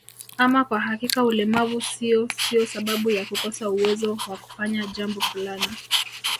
Ama kwa hakika ulemavu sio sio sababu ya kukosa uwezo wa kufanya jambo fulani